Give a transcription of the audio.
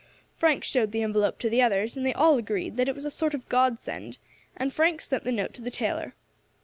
Frank showed the envelope to the others, and they all agreed that it was a sort of godsend, and Frank sent the note to the tailor.